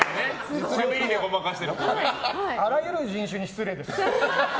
あらゆる人種に失礼ですよ。